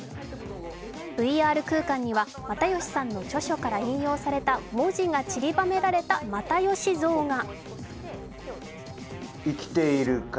ＶＲ空間には、又吉さんの著書から引用された文字がちりばめられた又吉像が。